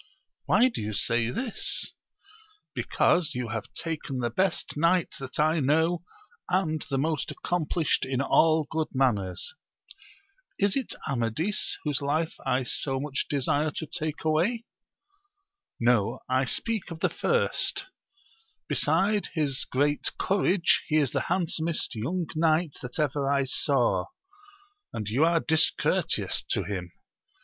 — ^Why do you say this ?— Because you have taken the best knight that I know, and the most accom plished in all good manners. — Is it Amadis^ whoa^M^k 1 80 much desire to take away \— "So \\«^^^ ^V "^ 184 AMADIS OF GAUL. first r besides his great courage, he is the handsomest young knight that ever I saw, and you are discour teous to him.